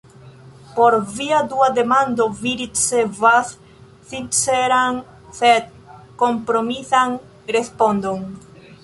Por via dua demando vi ricevas sinceran sed kompromisan respondon.